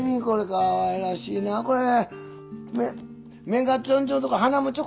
かわいらしいでこれ。